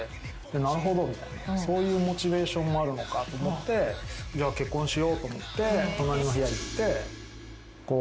なるほどそういうモチベーションもあるのかと思ってじゃあ結婚しようと思って隣の部屋行って。